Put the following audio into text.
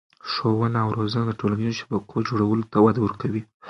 ښوونه او روزنه د ټولنیزو شبکو جوړولو ته وده ورکوي.